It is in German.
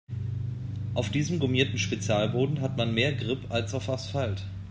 Auf diesem gummierten Spezialboden hat man mehr Grip als auf Asphalt.